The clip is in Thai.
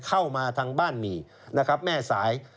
เข้ามาทางบ้านหมี่นะครับแม่สาย